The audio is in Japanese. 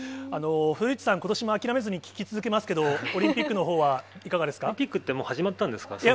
古市さん、ことしも諦めずに聞き続けますけど、オリンピックのほうはいかがオリンピックってもう、始まったんですか？